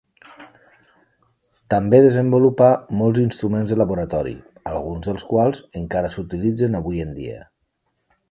També desenvolupà molts instruments de laboratori, alguns dels quals encara s'utilitzen avui en dia.